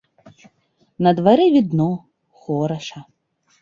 На дварэ відно, хораша.